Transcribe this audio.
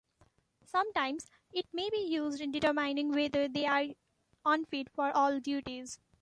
Sometimes it may be used in determining whether they are unfit for all duties.